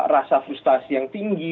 rasa frustasi yang tinggi